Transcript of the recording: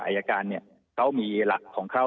รายการเนี่ยเขามีหลักของเขา